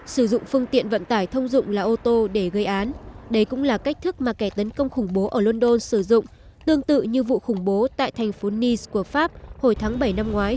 sử dụng phương tiện vận tải thông dụng là ô tô để gây án đây cũng là cách thức mà kẻ tấn công khủng bố ở london sử dụng tương tự như vụ khủng bố tại thành phố nis của pháp hồi tháng bảy năm ngoái